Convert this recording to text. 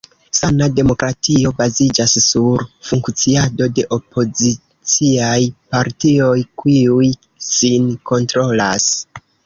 Sana demokratio baziĝas sur funkciado de opoziciaj partioj, kiuj sin kontrolas.